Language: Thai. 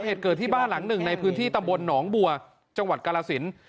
เหตุเกิดที่บ้านหลังหนึ่งในพื้นที่ตำบลหนองบัวจังหวัดกาลสิน